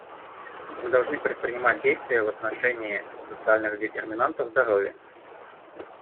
Мы должны предпринимать действия в отношении социальных детерминантов здоровья.